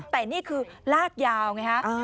แต่นี่คือลากยาวไงฮะ